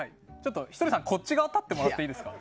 ひとりさん、こっち側立ってもらっていいですか。